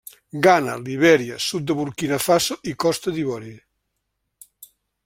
Ghana, Libèria, sud de Burkina Faso i Costa d'Ivori.